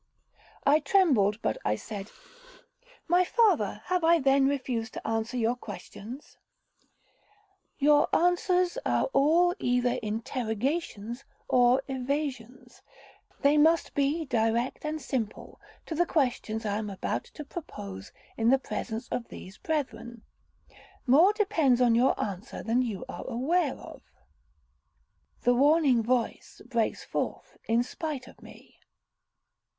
I trembled, but I said, 'My father, have I then refused to answer your questions?' 'Your answers are all either interrogations or evasions. They must be direct and simple to the questions I am about to propose in the presence of these brethren. More depends on your answer than you are aware of. The warning voice breaks forth in spite of me.'